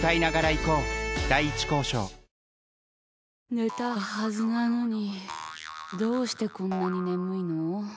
寝たはずなのにどうしてこんなに眠いの。